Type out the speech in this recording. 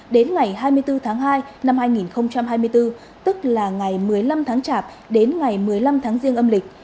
đến ngày hai mươi bốn tháng hai năm hai nghìn hai mươi bốn tức là ngày một mươi năm tháng chạp đến ngày một mươi năm tháng riêng âm lịch